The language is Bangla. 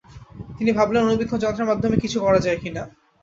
তিনি ভাবলেন অণুবীক্ষণ যন্রের মাধ্যমে কিছু করা যায় কিনা।